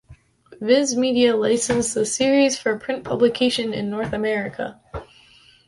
Viz Media licensed the series for print publication in North America.